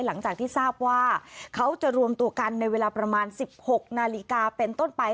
หลังจากที่ทราบว่าเขาจะรวมตัวกันในเวลาประมาณ๑๖นาฬิกาเป็นต้นไป